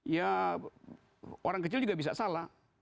ya orang kecil juga bisa salah